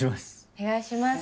お願いします。